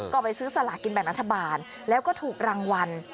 ก็ไปซื้อสลากินแบ่งรัฐบาลแล้วก็ถูกรางวัล